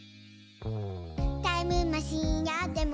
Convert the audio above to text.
「タイムマシンあっても」